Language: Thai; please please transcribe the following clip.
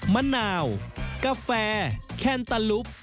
มะนาวกาแฟแคนตาลุป